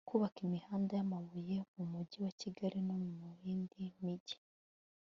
kubaka imihanda y'amabuye mu mujyi wa kigali no mu yindi mijyi